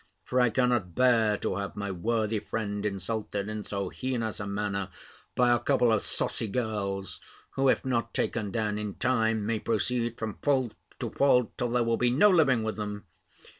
For I cannot bear to have my worthy friend insulted in so heinous a manner, by a couple of saucy girls, who, if not taken down in time, may proceed from fault to fault, till there will be no living with them.